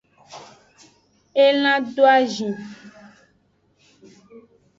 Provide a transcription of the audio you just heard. Elan doazin.